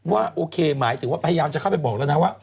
ว่าโอเคหมายถึงว่าพยายามจะเข้าไปบอกแล้วนะว่า